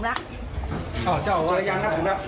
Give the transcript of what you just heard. ทาง